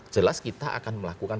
jelas kita akan melakukan